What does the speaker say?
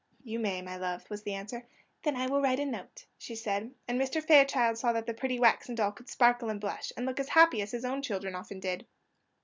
"You may, my love," was the answer. "Then I will write a note," she said; and Mr. Fairchild saw that the pretty waxen doll could sparkle and blush, and look as happy as his own children often did.